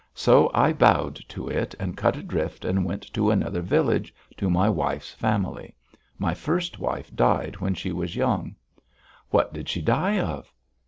So I bowed to it and cut adrift and went to another village to my wife's family. My first wife died when she was young." "What did she die of?"